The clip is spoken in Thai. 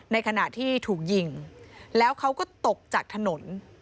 ในขณะที่ถูกยิงแล้วเขาก็ตกจากถนน